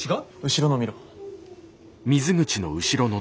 後ろの見ろ。